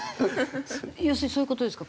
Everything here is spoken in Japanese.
要するにそういう事ですか？